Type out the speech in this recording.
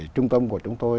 trung tâm của chúng tôi